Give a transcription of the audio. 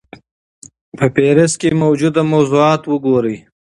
په فهرست کې موجود موضوعات وګورئ.